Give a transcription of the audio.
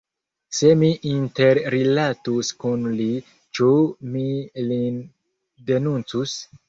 Se mi interrilatus kun li, ĉu mi lin denuncus?